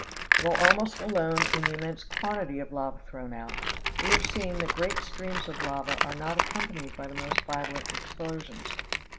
While almost alone in the immense quantity of lava thrown out, we have seen that great streams of lava are not accompanied by the most violent explosions.